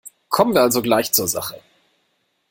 Kommen wir also gleich zur Sache.